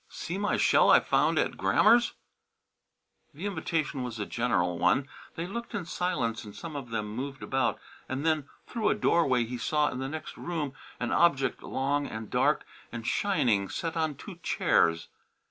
"See my shell I found at Grammer's!" The invitation was a general one. They looked in silence and some of them moved about, and then through a doorway he saw in the next room an object long and dark and shining set on two chairs.